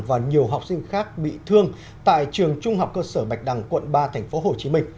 và nhiều học sinh khác bị thương tại trường trung học cơ sở bạch đằng quận ba tp hcm